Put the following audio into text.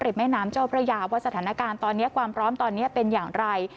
แม่น้ำเจ้าพระยาว่าสถานการณ์ตอนนี้ความพร้อมตอนนี้เป็นอย่างไร